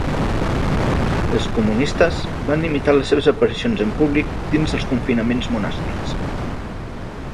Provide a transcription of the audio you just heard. Els comunistes van limitar les seves aparicions en públic dins dels confinaments monàstics.